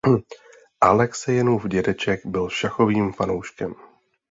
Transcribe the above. Aleksejenův dědeček byl šachovým fanouškem.